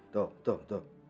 tuh tuh tuh